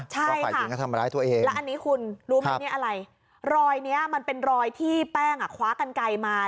ใช่ค่ะแล้วอันนี้คุณรูปนี้อะไรรอยนี้มันเป็นรอยที่แป้งคว้ากันไกลมา